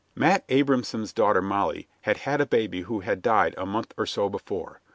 Matt Abrahamson's daughter Molly had had a baby who had died a month or so before.